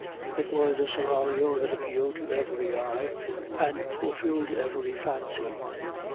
It was a seraglio that appealed to every eye, and fulfilled every fancy.